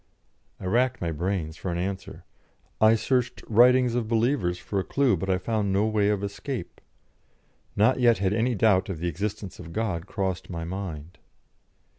I racked my brains for an answer. I searched writings of believers for a clue, but I found no way of escape. Not yet had any doubt of the existence of God crossed my mind.